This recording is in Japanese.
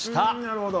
なるほど。